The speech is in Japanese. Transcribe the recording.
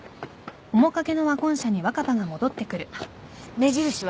目印は？